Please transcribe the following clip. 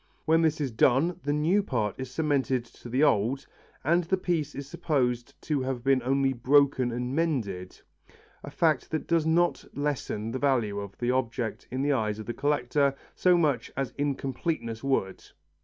When this is done the new part is cemented to the old, and the piece is supposed to have been only broken and mended, a fact which does not lessen the value of the object in the eyes of the collector so much as incompleteness would.